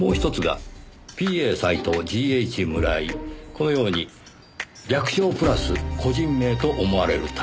このように略称プラス個人名と思われるタイプ。